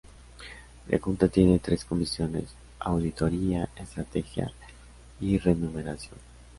La Junta tiene tres comisiones: auditoría, estrategia y remuneración.